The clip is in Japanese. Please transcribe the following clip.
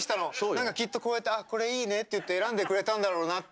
何かきっとこうやってあっこれいいねっていって選んでくれたんだろうなっていう。